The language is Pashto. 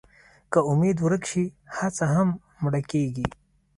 که امېد ورک شي، هڅه هم مړه کېږي.